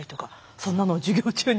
そんなのを授業中に。